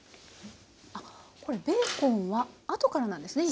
これベーコンはあとからなんですね。